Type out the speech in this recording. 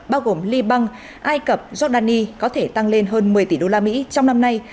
bao gồm liban ai cập giordani có thể tăng lên hơn một mươi tỷ đô la mỹ trong năm nay